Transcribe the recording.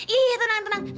ih tenang tenang ya bu